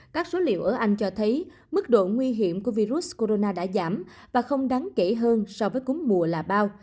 các số liệu ở anh cho thấy mức độ nguy hiểm của virus corona đã giảm và không đáng kể hơn so với cúm mùa là bao